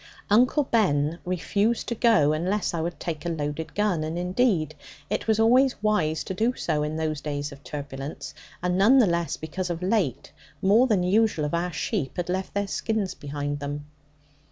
Uncle Ben refused to go unless I would take a loaded gun, and indeed it was always wise to do so in those days of turbulence; and none the less because of late more than usual of our sheep had left their skins behind them.